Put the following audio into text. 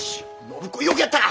暢子よくやった！